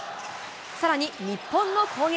さらに日本の攻撃。